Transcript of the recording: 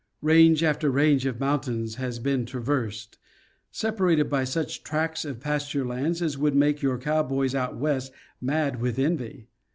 Range after range of mountains has been traversed, separated by such tracts of pas ture lands as would make your cowboys out west mad with envy.